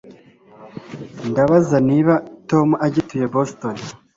Ndabaza niba Tom agituye Boston